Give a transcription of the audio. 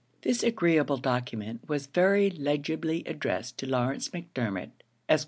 This agreeable document was very legibly addressed to Lawrence Macdermot, Esq.